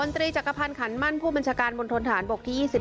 ตรีจักรพันธ์ขันมั่นผู้บัญชาการมณฑนฐานบกที่๒๑